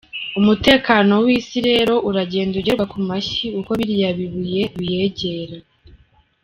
Umutekano w’isi rero uragenda ugerwa kumashyi uko biriya bibuye biyegera.